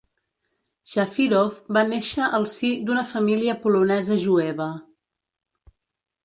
Shafirov va néixer al si d'una família polonesa jueva.